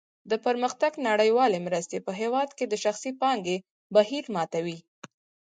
د پرمختګ نړیوالې مرستې په هېواد کې د شخصي پانګې بهیر ورماتوي.